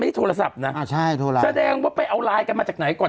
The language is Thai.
ไม่ได้โทรศัพท์น่ะอ่าใช่โทรไลน์แสดงว่าไปเอาไลน์กันมาจากไหนก่อน